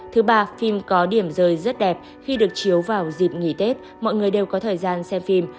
thứ ba phim có điểm rời rất đẹp khi được chiếu vào dịp nghỉ tết mọi người đều có thời gian xem phim